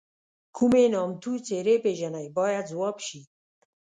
کومې نامتو څېرې پیژنئ باید ځواب شي.